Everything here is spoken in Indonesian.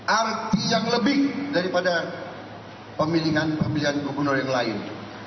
arti yang lebih daripada pemilihan pemilihan gubernur yang lain